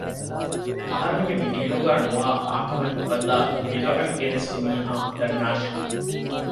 އަހަރެމެންގެ މި ދީނުގައި ނުވާ އާ ކަމެއް އުފައްދައި ބިދުޢައެއް ގެނެސްގެންފި މީހާ ދަންނާށޭ